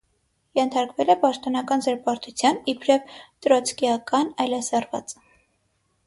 Ենթարկվել է պաշտոնական զրպարտության իբրև «տրոցկիական այլասերված»։